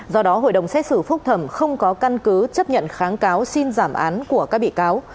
do đó hội đồng xét xử phúc thẩm không có căn cứ chấp nhận kháng cáo xin giảm án của các bị cáo